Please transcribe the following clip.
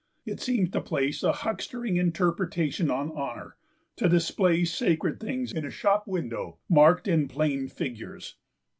It seems to place a huckstering interpretation on honour, to display sacred things in a shop window, marked in plain figures.